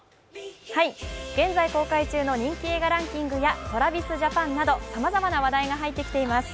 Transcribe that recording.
現在公開中の人気映画ランキングやＴｒａｖｉｓＪａｐａｎなど、さまざまな話題が入ってきています。